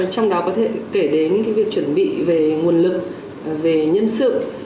trong đó có thể kể đến việc chuẩn bị về nguồn lực về nhân sự